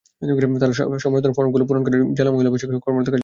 তাঁরা আবেদন ফরমগুলো পূরণ করে জেলা মহিলাবিষয়ক কর্মকর্তার কার্যালয়ে জমা দেবেন।